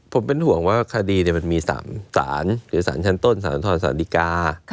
ผมเป็นห่วงว่าคดีมันมีสารหรือสารชั้นต้นสารทรสารดีกา